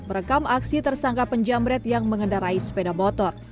merekam aksi tersangka penjamret yang mengendarai sepeda motor